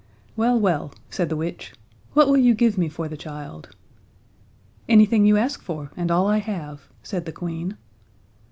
"Well, well," said the witch. "What will you give me for the child?" "Anything you ask for, and all I have," said the Queen.